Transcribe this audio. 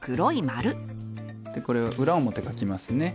これを裏表かきますね。